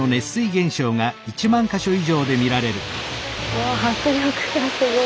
わあ迫力がすごい。